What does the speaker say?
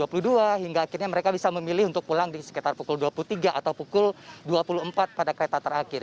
pukul dua puluh dua hingga akhirnya mereka bisa memilih untuk pulang di sekitar pukul dua puluh tiga atau pukul dua puluh empat pada kereta terakhir